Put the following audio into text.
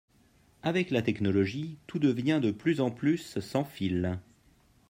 Avec la technologie tout devient de plus en plus sans fil